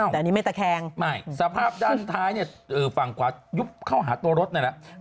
แต่อันนี้ไม่ตะแคงไม่สภาพด้านท้ายเนี่ยฝั่งขวายุบเข้าหาตัวรถนั่นแหละ